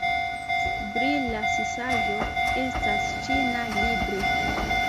Brilas saĝo estas ĉina libro.